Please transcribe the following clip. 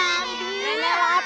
tapi kan itu punya makan